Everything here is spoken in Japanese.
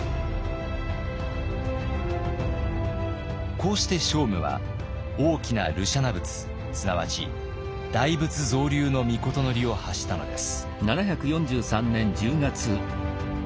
こうして聖武は大きな盧舎那仏すなわち大仏造立の詔を発したのです。